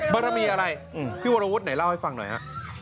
บารมีอะไรพี่วรวุฒิไหนเล่าให้ฟังหน่อยฮะ